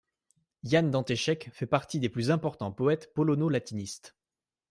Jan Dantyszek fait partie des plus importants poètes polono-latinistes.